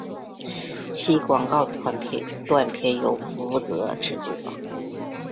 其广告短片由负责制作。